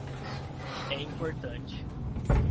É importante